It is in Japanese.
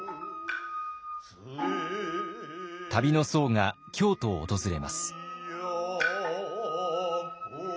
旅の僧が京都を訪れます。